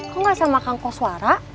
kok gak selamat kang koswara